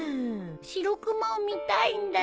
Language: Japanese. シロクマを見たいんだよ。